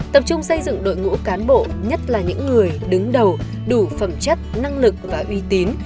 tập trung xây dựng đội ngũ cán bộ nhất là những người đứng đầu đủ phẩm chất năng lực và uy tín